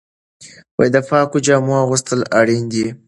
د پاکو جامو اغوستل اړین دي.